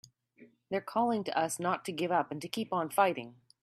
They're calling to us not to give up and to keep on fighting!